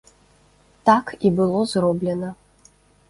Так і было зроблена.